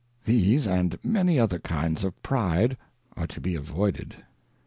These and many other kinds of Pride are to be avoided.